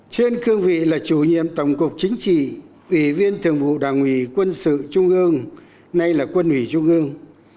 trên cương vị là chủ nhiệm tổng cục chính trị ủy viên thường vụ đảng ủy quân sự trung ương nay là quân ủy trung ương